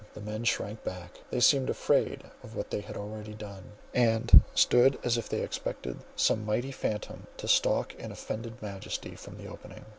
The men shrank back; they seemed afraid of what they had already done, and stood as if they expected some Mighty Phantom to stalk in offended majesty from the opening.